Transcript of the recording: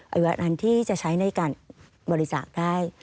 วัยวะนั้นที่จะใช้ในการบริจาคได้